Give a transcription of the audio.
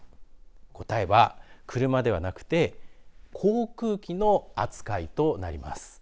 答えは車ではなくて航空機の扱いとなります。